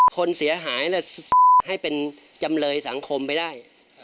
คนเสียหายให้เป็นจำเลยสังคมไปได้